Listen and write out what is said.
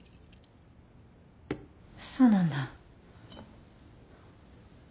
そうなんだ。